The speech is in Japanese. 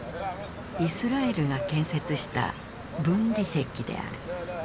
イスラエルが建設した分離壁である。